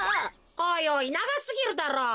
おいおいながすぎるだろ。